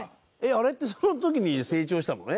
あれってその時に成長したのね？